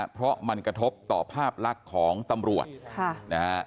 เพราะมันกระทบต่อภาพลักษณ์ของตำรวจ